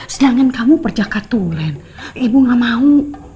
sedangkan kamu berjakat tulen ibu gak mau